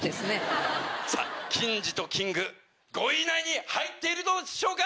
ＫＩＮＺ＆Ｋ−ｉｎｇ５位以内に入っているのでしょうか